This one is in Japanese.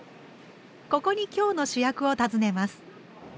ここに今日の主役を訪ねます。